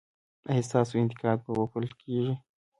ایا ستاسو انتقاد به وپل کیږي؟